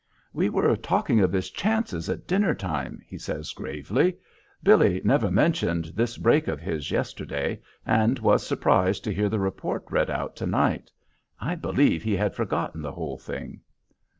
"We were talking of his chances at dinner time," he says, gravely. "Billy never mentioned this break of his yesterday, and was surprised to hear the report read out to night. I believe he had forgotten the whole thing."